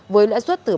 với lãi suất từ ba đồng